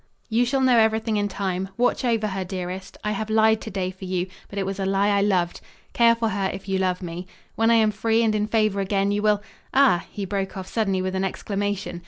"You shall know everything in time. Watch over her, dearest. I have lied today for you, but it was a lie I loved. Care for her if you love me. When I am free and in favor again you will Ah!" he broke off suddenly with an exclamation.